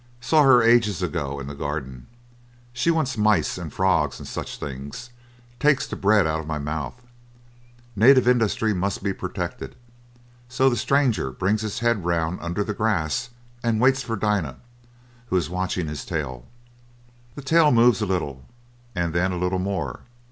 Saw her ages ago in the Garden. She wants mice and frogs and such things takes the bread out of my mouth. Native industry must be protected." so the stranger brings his head round under the grass and waits for Dinah, who is watching his tail. The tail moves a little and then a little more.